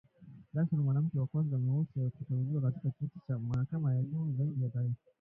Jackson mwanamke wa kwanza mweusi kuteuliwa katika kiti cha mahakama ya juu zaidi ya taifa